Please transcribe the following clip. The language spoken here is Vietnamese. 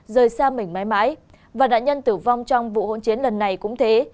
rời xa mình mãi mãi và nạn nhân tử vong trong vụ hỗn chiến lần này cũng thế